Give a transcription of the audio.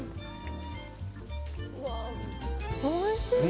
おいしい！